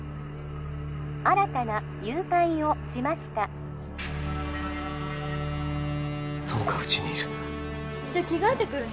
☎新たな誘拐をしました友果はうちにいるじゃあ着替えてくるね